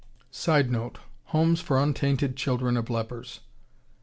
[Sidenote: Homes for untainted children of lepers.